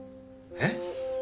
えっ？